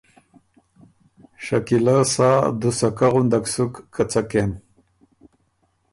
شکیلۀ سا دُوسَکۀ غُندک سُک که څۀ کېم